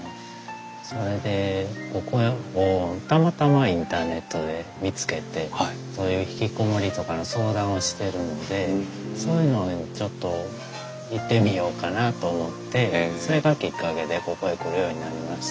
それでここをたまたまインターネットで見つけてそういう引きこもりとかの相談をしてるんでそういうのちょっと行ってみようかなと思ってそれがきっかけでここへ来るようになりました。